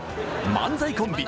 漫才コンビ